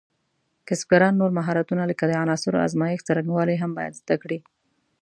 کسبګران نور مهارتونه لکه د عناصرو ازمېښت څرنګوالي هم باید زده کړي.